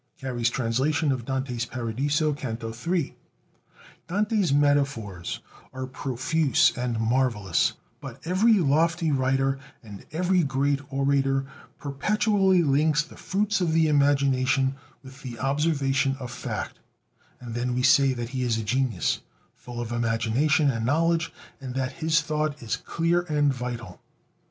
(Carey's translation of Dante's Paradiso, Canto III.) Dante's metaphors are profuse and marvelous, but every lofty writer and every great orator perpetually links the fruits of the imagination with the observation of fact; and then we say that he is a genius, full of imagination and knowledge, and that his thought is clear and vital.